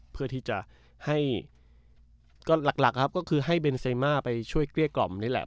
เพื่อที่จะให้ก็หลักครับก็คือให้เบนเซมาไปช่วยเกลี้ยกล่อมนี่แหละ